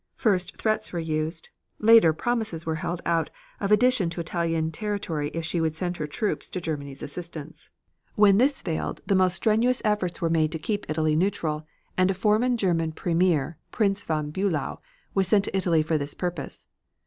First threats were used, later promises were held out of addition to Italian territory if she would send her troops to Germany's assistance. When this failed the most strenuous efforts were made to keep Italy neutral, and a former German premier, Prince von Bulow, was sent to Italy for this purpose.